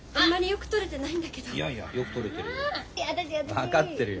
分かってるよ。